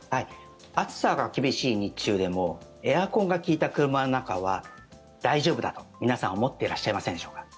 暑さが厳しい日中でもエアコンが利いた車の中は大丈夫だと皆さん、思っていらっしゃいませんでしょうか？